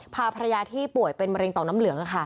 พาภรรยาที่ป่วยเป็นมะเร็งต่อน้ำเหลือง